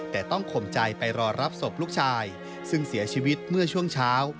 แต่ต้องข่มใจไปรอรับศพลูกชายซึ่งเสียชีวิตเมื่อช่วงเช้า